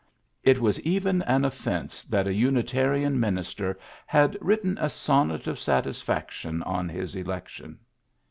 It was even an offence that a Unitarian minis ter had written a sonnet of satisfaction on his election.